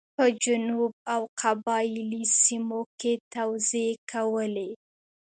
په جنوب او قبایلي سیمو کې توزېع کولې.